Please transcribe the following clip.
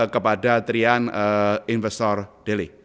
kepada triand investor daily